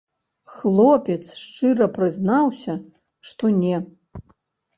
Хлопец шчыра прызнаўся, што не.